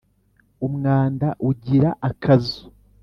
Umwanda ugira akazu.